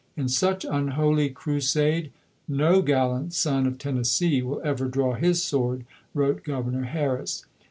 " In such unholy crusade no gallant son of Tennessee will ever draw his sword," wrote Governor Harris.